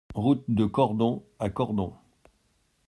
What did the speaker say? Route de Cordon à Cordon